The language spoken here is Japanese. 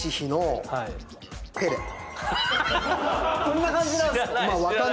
こんな感じなんすか？